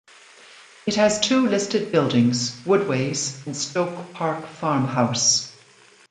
It has two listed buildings: Woodways and Stoke Park Farm House.